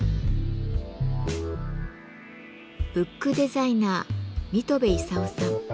ブックデザイナー水戸部功さん。